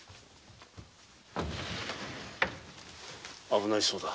危ないそうだ。